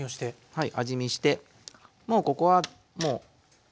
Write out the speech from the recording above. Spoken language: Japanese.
はい。